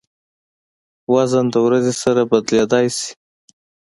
وزن د ورځې سره بدلېدای شي.